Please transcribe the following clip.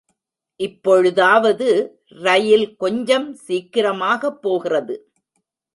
இப்பொழுதாவது ரயில் கொஞ்சம் சீக்கிரமாகப் போகிறது.